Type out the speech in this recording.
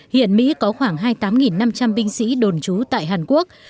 hiện mỹ có khoảng hai mươi tám năm trăm linh binh sĩ đồn trú tại hàn quốc